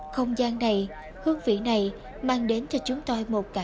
không gian này hương vị này mang đến cho chúng tôi một cảm giác rất là ngon